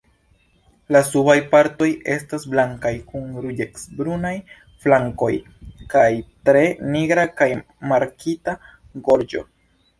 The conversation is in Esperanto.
La subaj partoj estas blankaj kun ruĝecbrunaj flankoj kaj tre nigra kaj markita gorĝo.